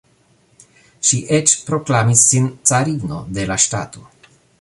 Ŝi eĉ proklamis sin “carino” de la ŝtato.